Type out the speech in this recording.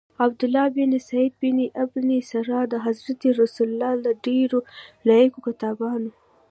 عبدالله بن سعد بن ابی سرح د حضرت رسول له ډیرو لایقو کاتبانو.